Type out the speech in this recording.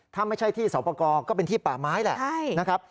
ถ้าไม่ใช่ที่สอบประกอบก็เป็นที่ป่าไม้แหละนะครับ